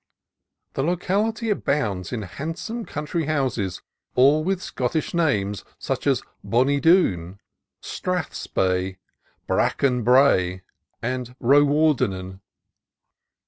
The locality abounds in handsome country houses, all with Scottish names, such as "Bonnie Doon," "Strathspey," "Bracken Brae," and "Ro wardennen."